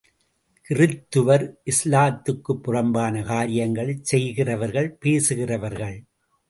கிறித்துவர் இஸ்லாத்துக்குப் புறம்பான காரியங்களைச் செய்கிறார்கள் பேசுகிறார்கள்.